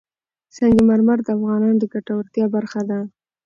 سنگ مرمر د افغانانو د ګټورتیا برخه ده.